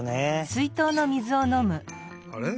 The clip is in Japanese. あれ？